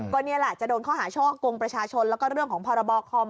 ก็นี่แหละจะโดนข้อหาช่อกงประชาชนแล้วก็เรื่องของพรบคอม